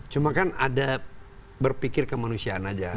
cuma kan ada berpikir kemanusiaan aja